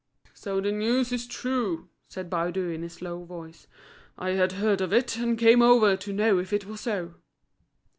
"So the news is true?" said Baudu in his slow voice. "I had heard of it, and came over to know if it was so."